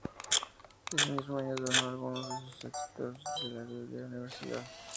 Ese mismo año donó algunos de sus textos a la biblioteca de la universidad.